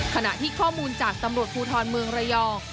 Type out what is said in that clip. ขณะที่ข้อมูลจากตำรวจภูทรเมืองระยอง